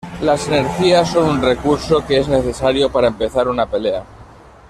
Las energías son un recurso que es necesario para empezar una pelea.